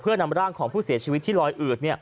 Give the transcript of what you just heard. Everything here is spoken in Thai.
เพื่อนำร่างของผู้เสียชีวิตที่ลอยอืด